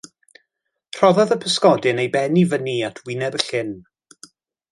Rhoddodd y pysgodyn ei ben i fyny at wyneb y llyn.